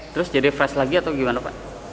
terus jadi fresh lagi atau gimana pak